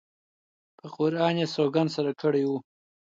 په قرآن یې سوګند سره کړی وو.